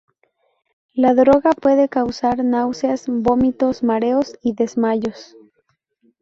La droga puede causar náuseas, vómitos, mareos y desmayos.